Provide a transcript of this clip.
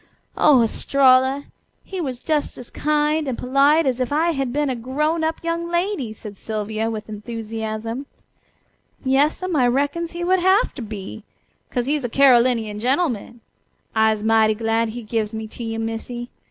Oh, Estralla! He was just as kind and polite as if I had been a grown up young lady," said Sylvia with enthusiasm. "Yas'm, I reckons he would hafter be, 'cos he's a Carolinian gen'man. I'se mighty glad he gives me to you, Missy.